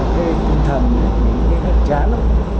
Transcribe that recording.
cái tinh thần những cái thật chán lắm